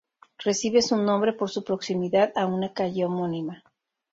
Recibe su nombre por su proximidad a una calle homónima.